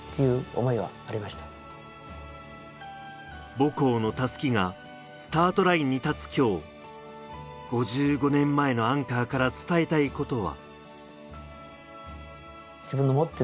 母校の襷がスタートラインに立つ今日、５５年前のアンカーから伝えたいことは。